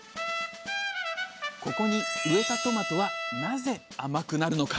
ここに植えたトマトはなぜ甘くなるのか。